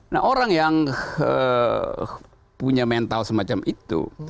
nah orang yang punya mental semacam itu